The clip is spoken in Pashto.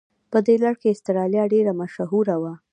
په دې لړ کې استرالیا ډېره مشهوره وه.